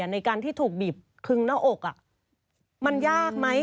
ในการที่ถูกบีบคึงหน้าอกมันยากไหม